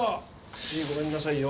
はいごめんなさいよ。